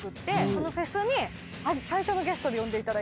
そのフェスに最初のゲストで呼んでいただいて。